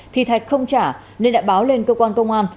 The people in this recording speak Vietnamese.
thì thạch không trả nên đã báo lên cơ quan công an